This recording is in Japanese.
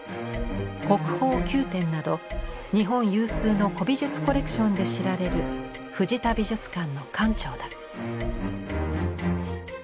国宝９点など日本有数の古美術コレクションで知られる藤田美術館の館長だ。